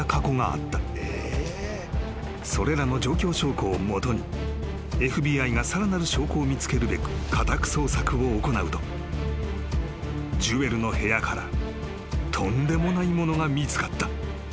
［それらの状況証拠を基にＦＢＩがさらなる証拠を見つけるべく家宅捜索を行うとジュエルの部屋からとんでもないものが見つかった］